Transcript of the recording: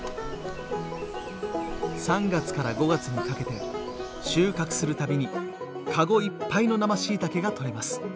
３月から５月にかけて収穫するたびに籠いっぱいの生しいたけがとれます。